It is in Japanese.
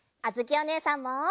あづきおねえさんも！